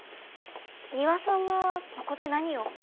丹羽さんはここで何を？